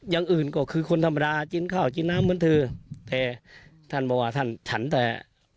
อย่างอื่นก็คือคนธรรมดากินข้าวกินน้ำเหมือนเธอแต่ท่านบอกว่าท่านฉันแต่